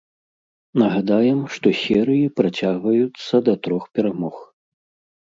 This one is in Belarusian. Нагадаем, што серыі працягваюцца да трох перамог.